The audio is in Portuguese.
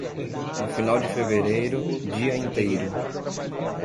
No final de fevereiro, dia inteiro.